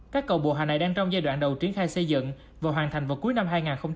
các cầu bộ hà này đang trong giai đoạn đầu triển khai xây dựng và hoàn thành vào cuối năm hai nghìn hai mươi